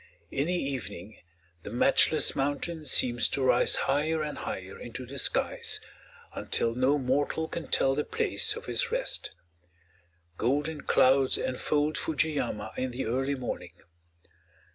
In the evening the Matchless Mountain seems to rise higher and higher into the skies, until no mortal can tell the place of his rest. Golden clouds enfold Fuji yama in the early morning.